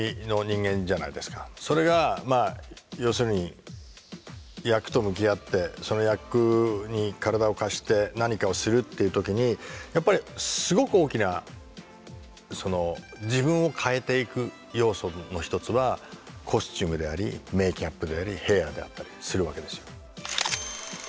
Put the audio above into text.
それがまあ要するに役と向き合ってその役に体を貸して何かをするっていう時にやっぱりすごく大きな自分を変えていく要素の一つはコスチュームでありメーキャップでありヘアであったりするわけですよ。